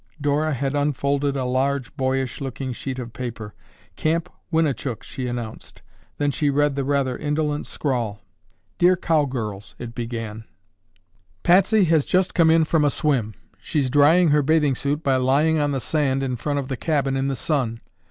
Dora had unfolded a large, boyish looking sheet of paper. "Camp Winnichook," she announced, then she read the rather indolent scrawl. "Dear Cowgirls,"—it began— "Patsy has just come in from a swim. She's drying her bathing suit by lying on the sand in front of the cabin in the sun.